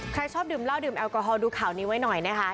ชอบดื่มเหล้าดื่มแอลกอฮอลดูข่าวนี้ไว้หน่อยนะคะ